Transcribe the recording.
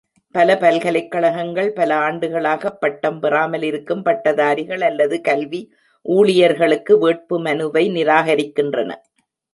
பல பல்கலைக்கழகங்கள் பல ஆண்டுகளாக பட்டம் பெறாமலிருக்கும் பட்டதாரிகள் அல்லது கல்வி ஊழியர்களுக்கு வேட்புமனுவை நிராகரிக்கின்றன.